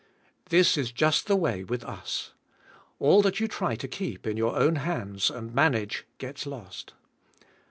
This is just the way with us. All that you try to keep in your own hands and and manage gets lost.